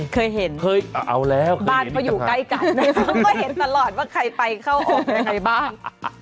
เคยเห็นบ้านเขาอยู่ใกล้กันมันก็เห็นตลอดว่าใครไปเข้าออกได้ไงบ้าง